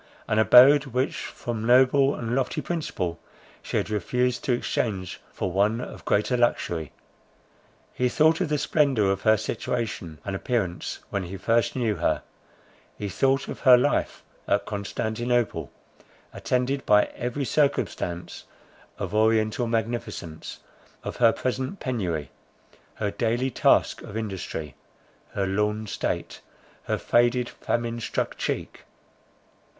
An abode, which from noble and lofty principle, she had refused to exchange for one of greater luxury. He thought of the splendour of her situation and appearance when he first knew her; he thought of her life at Constantinople, attended by every circumstance of oriental magnificence; of her present penury, her daily task of industry, her lorn state, her faded, famine struck cheek.